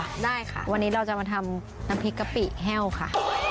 ได้ค่ะวันนี้เราจะมาทำน้ำพริกกะปิแห้วค่ะ